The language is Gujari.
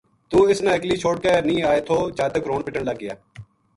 توہ اس نا اکلی چھوڈ کے نیہہ آئے تھو جاتک رون پٹن لگ گیا